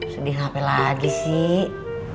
sedih ngapain lagi sih